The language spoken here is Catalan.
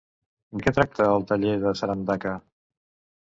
De què tracta el Taller Sarandaca?